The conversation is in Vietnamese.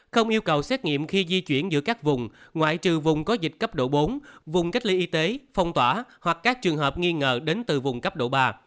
không yêu cầu xét nghiệm khi di chuyển giữa các vùng ngoại trừ vùng có dịch cấp độ bốn vùng cách ly y tế phong tỏa hoặc các trường hợp nghi ngờ đến từ vùng cấp độ ba